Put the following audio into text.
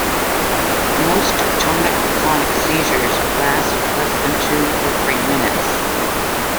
Most tonic-clonic seizures last less than two or three minutes.